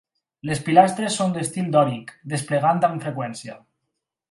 Les pilastres són d'estil dòric, desplegant amb freqüència.